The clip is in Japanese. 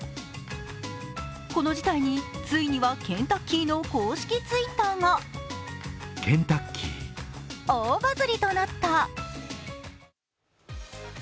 この事態に、ついにはケンタッキーの公式ツイッターが大バズりとなった。